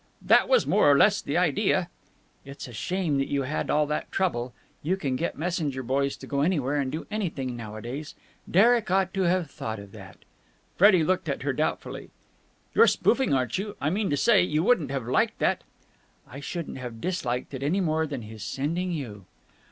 "That was more or less the idea." "It's a shame that you had all the trouble. You can get messenger boys to go anywhere and do anything nowadays. Derek ought to have thought of that." Freddie looked at her doubtfully. "You're spoofing, aren't you? I mean to say, you wouldn't have liked that!" "I shouldn't have disliked it any more than his sending you."